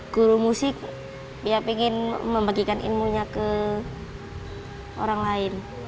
guru musik ya ingin membagikan ilmunya ke orang lain